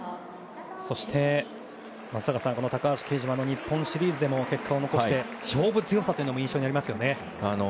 そして松坂さん、高橋奎二は日本シリーズでも結果を残して勝負強さも印象にありますよね。